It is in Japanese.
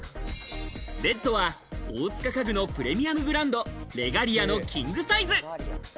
ベッドは大塚家具のプレミアムブランド、レガリアのキングサイズ。